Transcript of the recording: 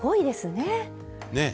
ねえ。